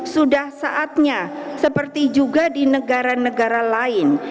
sudah saatnya seperti juga di negara negara lain